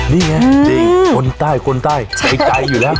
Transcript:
นี่ไงจริงคนใต้ใกล้อยู่แล้ว